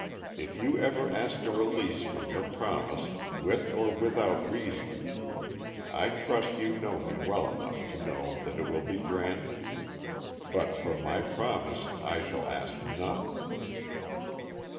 If you ever ask a release from your promise, with or without reason, I trust you know me well enough to know that it will be granted but from my promise I shall ask none.